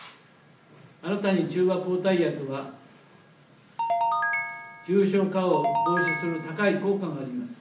新たな中和抗体薬は重症化を防止する高い効果があります。